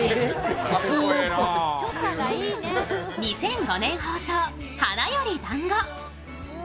２００５年放送「花より男子」。